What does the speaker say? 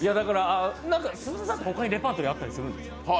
他にレパートリーあったりするんですか？